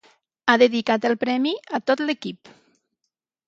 Ha dedicat el premi a tot l'equip.